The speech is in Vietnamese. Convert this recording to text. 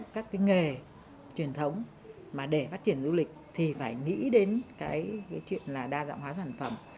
các cái nghề truyền thống mà để phát triển du lịch thì phải nghĩ đến cái chuyện là đa dạng hóa sản phẩm